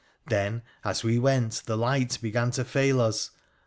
Then, as we went, the light began to fail us.